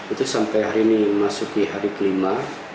itu sampai hari ini masuk di hari kelima